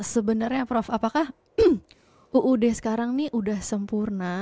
sebenarnya prof apakah uud sekarang ini sudah sempurna